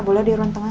boleh di ruang tengah